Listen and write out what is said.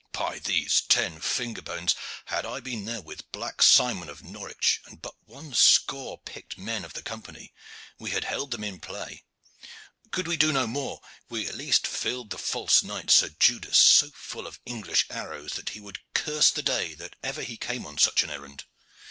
By these ten finger bones! had I been there with Black Simon of Norwich, and but one score picked men of the Company, we had held them in play. Could we do no more, we had at least filled the false knight, Sir Judas, so full of English arrows that he would curse the day that ever he came on such an errand."